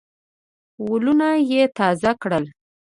ولونه یې تازه کړل.